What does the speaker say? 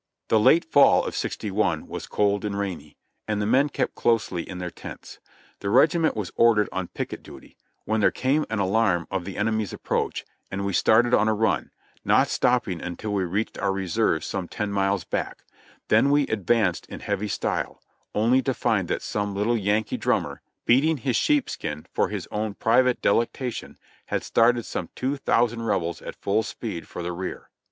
The late fall of '6i was cold and rainy, and the men kept closely in their tents. The regiment was ordered on picket duty, when there came an alarm of the enemy's approach, and we started on a run, not stopping until we reached our reserves some ten miles back; then we advanced in heavy style, only to find that some little Yankee drummer, beating his sheepskin for his own private delectation, had started some two thousand Rebels at full speed for the rear.